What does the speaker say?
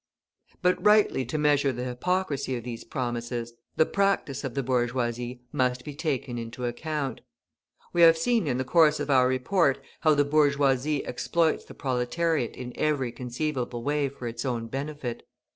But rightly to measure the hypocrisy of these promises, the practice of the bourgeoisie must be taken into account. We have seen in the course of our report how the bourgeoisie exploits the proletariat in every conceivable way for its own benefit!